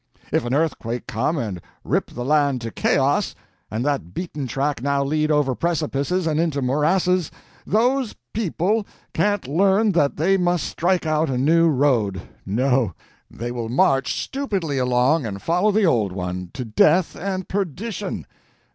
If an earthquake come and rip the land to chaos, and that beaten track now lead over precipices and into morasses, those people can't learn that they must strike out a new road—no; they will march stupidly along and follow the old one, to death and perdition.